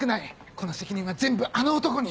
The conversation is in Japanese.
この責任は全部あの男に。